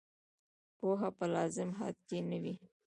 پوهه په لازم حد کې نه وي.